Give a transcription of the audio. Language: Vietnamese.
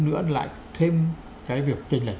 nữa lại thêm cái việc trên là